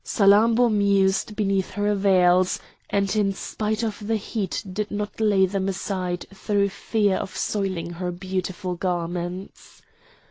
Salammbô mused beneath her veils, and in spite of the heat did not lay them aside through fear of soiling her beautiful garments.